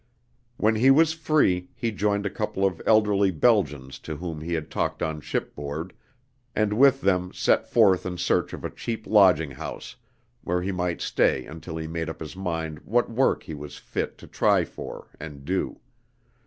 When he was free, he joined a couple of elderly Belgians to whom he had talked on shipboard, and with them set forth in search of a cheap lodging house, where he might stay until he made up his mind what work he was fit to try for, and do.